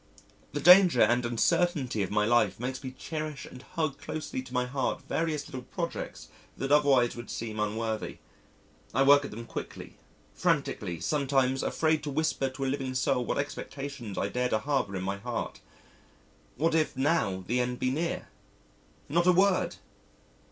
The danger and uncertainty of my life make me cherish and hug closely to my heart various little projects that otherwise would seem unworthy. I work at them quickly, frantically, sometimes, afraid to whisper to a living soul what expectations I dare to harbour in my heart. What if now the end be near? Not a word!